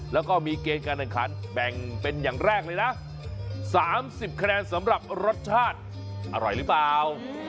แล้วก็มีเกณฑ์การแข่งขันแบ่งเป็นอย่างแรกเลยนะ๓๐คะแนนสำหรับรสชาติอร่อยหรือเปล่า